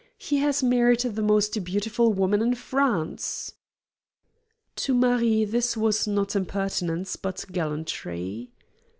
He has married the most beautiful woman in France!" To Marie this was not impertinence, but gallantry.